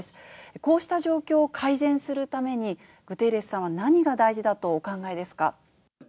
こうした状況を改善するために、グテーレスさんは何が大事だとお考えですか？